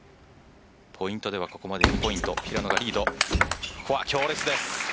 ポイントではここまで２ポイント、平野がリード。